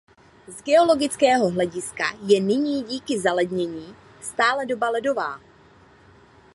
Z geologického hlediska je nyní díky zalednění stále doba ledová.